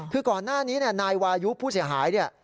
คือก่อนหน้านี้นายวายุผู้เสียหายเนี่ย